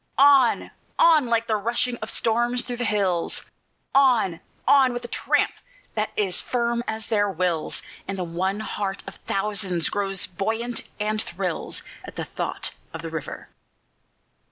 On! on! like the rushing of storms through the hills; On! on! with a tramp that is firm as their wills; And the one heart of thousands grows buoyant, and thrills, At the thought of the river.